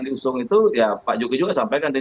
diusung itu ya pak jokowi juga sampaikan